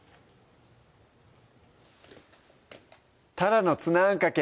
「たらのツナあんかけ」